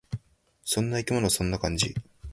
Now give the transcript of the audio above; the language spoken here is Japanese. そんな生き物。そんな感じ。